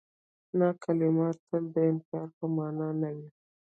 نه کلمه تل د انکار په مانا نه وي.